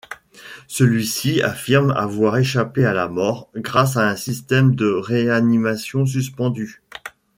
Celui-ci affirme avoir échappé à la mort grâce à un système de réanimation suspendue.